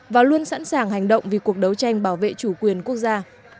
và luôn sẵn sàng hành động vì cuộc đấu tranh bảo vệ chủ quyền quốc gia